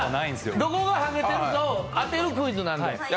どこがハゲてるかを当てるクイズなんですよ。